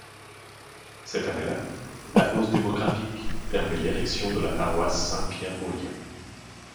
Cette année-là, la hausse démographique permet l'érection de la paroisse Saint-Pierre-aux-Liens.